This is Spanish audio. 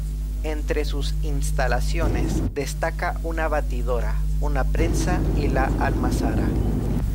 Entre sus instalaciones destaca una batidora, una prensa y la almazara.